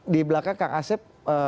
di belakang kang asep